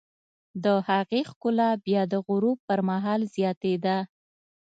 د هغې ښکلا بیا د غروب پر مهال زیاتېده.